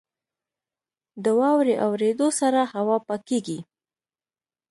• د واورې اورېدو سره هوا پاکېږي.